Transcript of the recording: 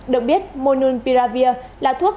được biết monunpiravir là thuốc